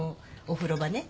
お風呂場ね。